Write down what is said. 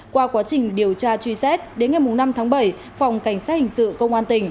qua quá trình điều tra truy xét đến ngày năm tháng bảy phòng cảnh sát hình sự công an tỉnh